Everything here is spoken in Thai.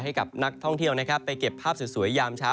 ให้กับนักท่องเที่ยวนะครับไปเก็บภาพสวยยามเช้า